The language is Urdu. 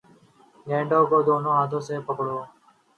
گیند کو دونوں ہاتھوں سے پکڑو